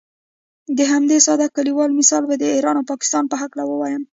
د همدې ساده کلیوال مثال به د ایران او پاکستان په هکله ووایم.